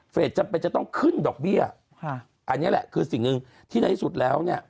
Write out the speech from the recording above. จำเป็นจะต้องขึ้นดอกเบี้ยอันนี้แหละคือสิ่งหนึ่งที่ในที่สุดแล้วเนี่ย